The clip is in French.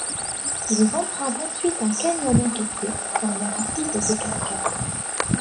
Ils empruntent ensuite un canyon encaissé formant rapides et cascades.